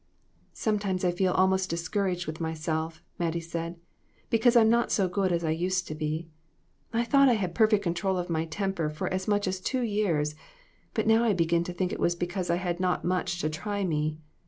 "I sometimes feel almost discouraged with my self," Mattie said, "because I'm not so good as I used to be. I thought I had perfect control of my temper for as much as two years, but now I begin to think it was because I had not much to try me.